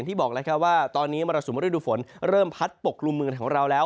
ตอนนี้มรสุมฤดูฝนเริ่มพัดปกลุ่มเมืองของเราแล้ว